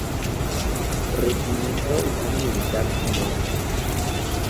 Regimiento y Zona Militar No.